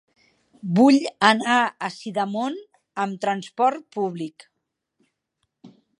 Vull anar a Sidamon amb trasport públic.